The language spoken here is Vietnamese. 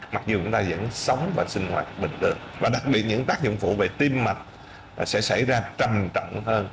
mặc dù chúng ta vẫn sống và sinh hoạt bình thường và đặc biệt những tác dụng phụ về tim mặt sẽ xảy ra trầm trọng hơn